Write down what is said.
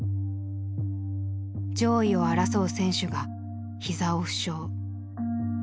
上位を争う選手がひざを負傷。